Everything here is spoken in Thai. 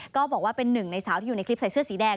ก็บอกว่าเป็นหนึ่งในสาวที่อยู่ในคลิปใส่เสื้อสีแดง